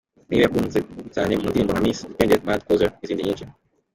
Ne-Yo yakunzwe cyane mu ndirimbo nka Miss Independent, Mad, Closer, n’izindi nyinshi.